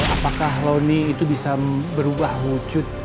apakah lony itu bisa berubah wujud